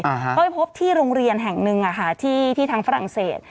เขาไปพบที่โรงเรียนแห่งหนึ่งที่ทั้งฝรั่งเศส